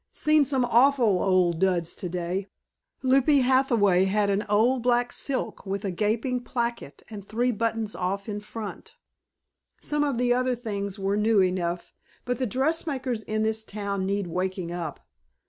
Seen some awful old duds today. 'Lupie Hathaway had on an old black silk with a gaping placket and three buttons off in front. Some of the other things were new enough, but the dressmakers in this town need waking up.